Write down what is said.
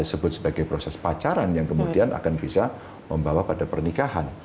yang saya sebut sebagai proses pacaran yang kemudian akan bisa membawa pada pernikahan